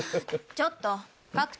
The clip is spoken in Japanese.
ちょっと。